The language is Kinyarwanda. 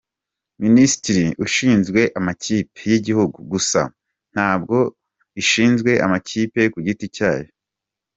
Minsiteri ishinzwe amakipe y’igihugu gusa, ntabwo ishinzwe amakipe ku giti cyayo.”